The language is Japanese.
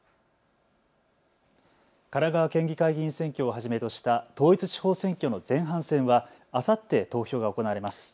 神奈川県議会議員選挙をはじめとした統一地方選挙の前半戦はあさって投票が行われます。